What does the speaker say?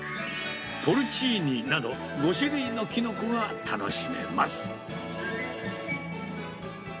ポルチーニなど、５種類のキノコが楽しめます。